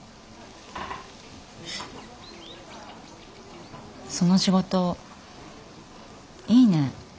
その仕事いいね。